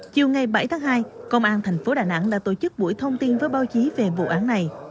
chiều ngày bảy tháng hai công an thành phố đà nẵng đã tổ chức buổi thông tin với báo chí về vụ án này